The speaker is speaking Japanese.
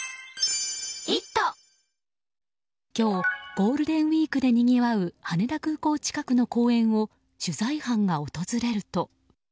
今日、ゴールデンウィークでにぎわう羽田空港近くの公園を取材班が訪れると。